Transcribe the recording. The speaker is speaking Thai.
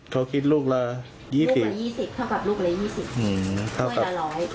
ภัยเก่งค่ะแต่ว่ามันก็ราคาปกตินะ